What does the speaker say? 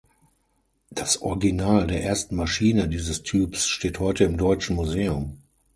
Das Original der ersten Maschine dieses Typs steht heute im Deutschen Museum.